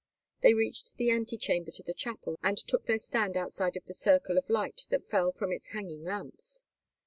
They reached the ante chamber to the chapel, and took their stand outside of the circle of light that fell from its hanging lamps.